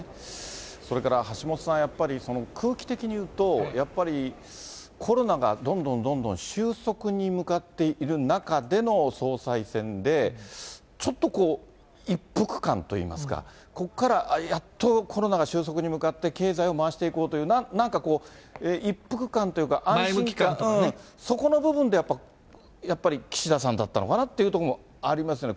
それから橋下さん、やっぱり空気的に言うと、やっぱりコロナがどんどんどんどん収束に向かっている中での総裁選で、ちょっとこう、一服感といいますか、ここから、ああ、やっとコロナが収束に向かって経済を回していこうという、なんかこう、一服感というか、安心感、そこの部分でやっぱり岸田さんだったのかなってところもありますよね。